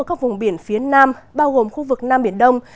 các vùng biển phía nam bao gồm khu vực nam biển đông